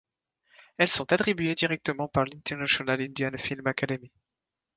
Elles sont attribuées directement par l'International Indian Film Academy.